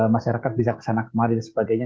masyarakat bisa kesana kemari dan sebagainya